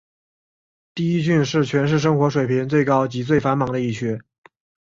第一郡是全市生活水平最高及最繁忙的一区。